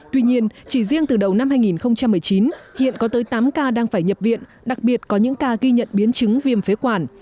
tuy nhiên chỉ riêng từ đầu năm hai nghìn một mươi chín hiện có tới tám ca đang phải nhập viện đặc biệt có những ca ghi nhận biến chứng viêm phế quản